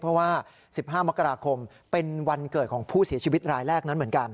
เพราะว่า๑๕มกราคมเป็นวันเกิดของผู้เสียชีวิตรายแรกนั้นเหมือนกัน